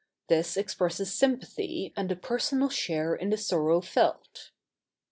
This expresses sympathy and a personal share in the sorrow felt.